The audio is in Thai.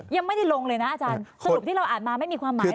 ยังไม่ได้ลงเลยนะอาจารย์สรุปที่เราอ่านมาไม่มีความหมาย